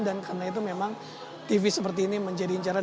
dan karena itu memang tv seperti ini menjadi incaran